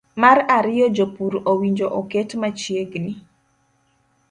Mar ariyo jopur owinjo oket machiegni